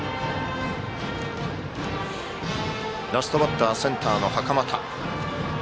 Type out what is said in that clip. ラストバッターセンターの袴田。